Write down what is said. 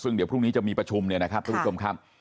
ซึ่งเดี๋ยวพรุ่งนี้จะมีประชุมเนี่ยนะครับทุกผู้ชมครับ